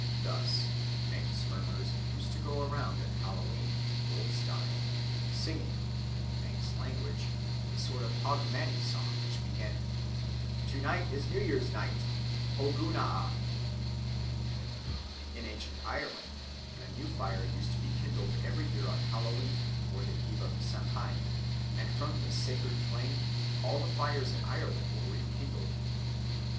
Thus Manx mummers used to go round on Hallowe'en (Old Style), singing, in the Manx language, a sort of Hogmanay song which began "To night is New Year's Night, Hogunnaa!" In ancient Ireland, a new fire used to be kindled every year on Hallowe'en or the Eve of Samhain, and from this sacred flame all the fires in Ireland were rekindled.